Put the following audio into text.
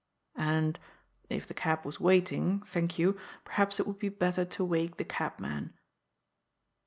And, if the cab was waiting? — thank you — perhaps it would be better to wake the cabman."